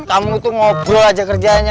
kamu tuh ngobrol aja kerjanya